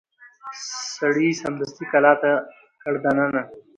سړي سمدستي کلا ته کړ دننه